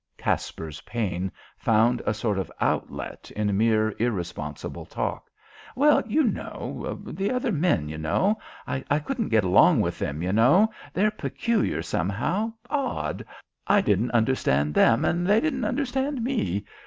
Caspar's pain found a sort of outlet in mere irresponsible talk. "Well, you know the other men, you know. I couldn't get along with them, you know. They're peculiar, somehow; odd; I didn't understand them, and they didn't understand me.